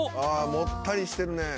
もったりしてるね。